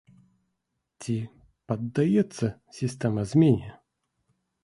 Ці паддаецца сістэма змене?